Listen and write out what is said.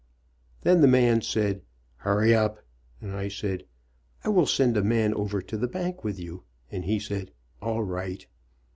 Then the man said "hurry up," and I said, "I will send a man over to the bank with you," and he said "all right."